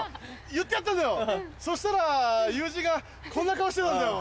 言ってやったんだよそしたら友人がこんな顔してたんだよ。